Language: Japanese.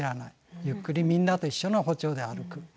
ゆっくりみんなと一緒の歩調で歩く。